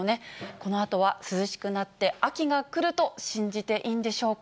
このあとは涼しくなって、秋が来ると信じていいんでしょうか。